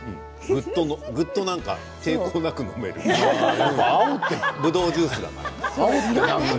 ぐっと抵抗なく飲めるぶどうジュースだから。